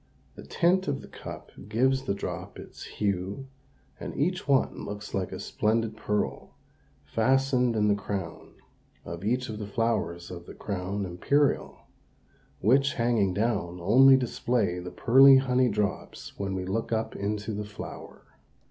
The tint of the cup gives the drop its hue and each one looks a splendid pearl fastened in the crown of each of the flowers of the crown imperial which, hanging down, only display the pearly honey drops when we look up into the flower.